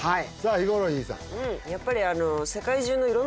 ヒコロヒーさんうん